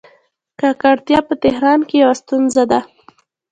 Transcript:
ککړتیا په تهران کې یوه ستونزه ده.